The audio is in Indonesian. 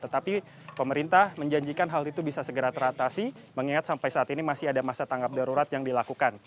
tetapi pemerintah menjanjikan hal itu bisa segera teratasi mengingat sampai saat ini masih ada masa tanggap darurat yang dilakukan